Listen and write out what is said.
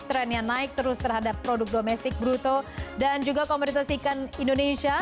trend yang naik terus terhadap produk domestik bruto dan juga kompetensi ikan indonesia